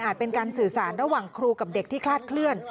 เป็นการสื่อสารระหว่างครูกับเด็กที่คลาดเคลื่อน